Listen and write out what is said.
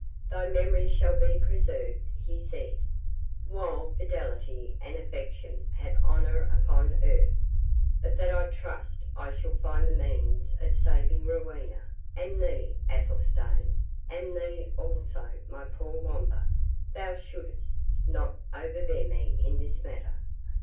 "Thy memory shall be preserved," he said, "while fidelity and affection have honour upon earth! But that I trust I shall find the means of saving Rowena, and thee, Athelstane, and thee, also, my poor Wamba, thou shouldst not overbear me in this matter."